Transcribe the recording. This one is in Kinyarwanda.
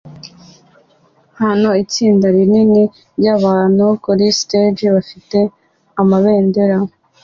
Hano 'itsinda rinini ryabantu kuri stage bafite amabendera